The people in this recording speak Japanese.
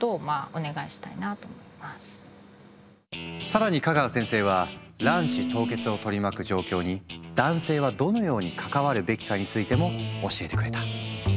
更に香川先生は卵子凍結を取り巻く状況に男性はどのように関わるべきかについても教えてくれた。